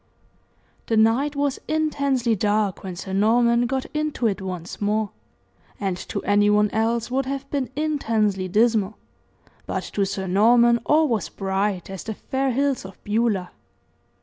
The night was intensely dark when Sir Norman got into it once more; and to any one else would have been intensely dismal, but to Sir Norman all was bright as the fair hills of Beulah.